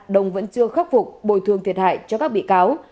đồng vẫn chưa khắc phục bồi thương thiệt hại cho các bị cáo